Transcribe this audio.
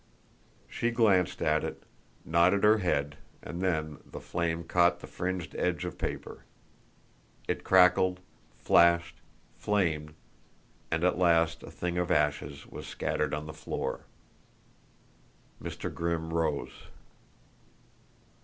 She glanced at it, nodded her head, and then the flame caught the fringed edge of paper. It crackled, flashed, flamed, and at last, a thing of ashes, was scattered on the floor. Mr. Grimm rose.